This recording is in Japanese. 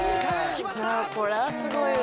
これはすごいわ。